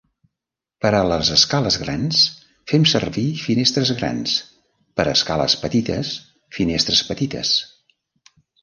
Per a les escales grans fem servir finestres grans, per a escales petites, finestres petites.